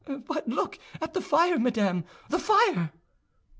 "But look at the fire, madam—the fire!"